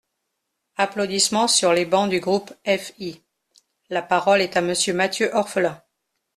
(Applaudissements sur les bancs du groupe FI.) La parole est à Monsieur Matthieu Orphelin.